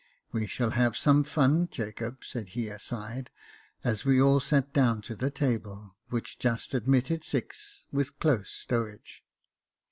" We shall have some fun, Jacob," said he aside, as we all sat down to the table, which just admitted six, with close stowage.